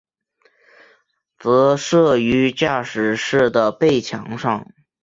则设于驾驶室的背墙上。